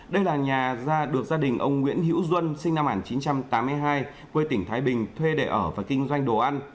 đây là nhà ra được gia đình ông nguyễn hữu duân sinh năm một nghìn chín trăm tám mươi hai quê tỉnh thái bình thuê để ở và kinh doanh đồ ăn